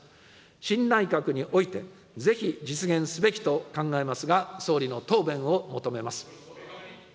新内閣において、ぜひ実現すべきと考えますが、総理の答弁を求めます。